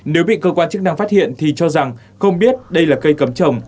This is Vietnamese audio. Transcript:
nếu bị cơ quan chức năng phát hiện thì cho rằng không biết đây là cây cấm trồng